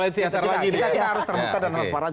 kita harus terbuka dan transparan